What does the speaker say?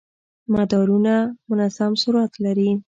مدارونه منظم سرعت لري.